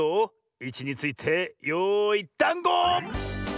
いちについてよいダンゴ！